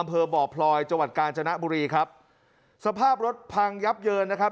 อำเภอบ่อพลอยจังหวัดกาญจนบุรีครับสภาพรถพังยับเยินนะครับ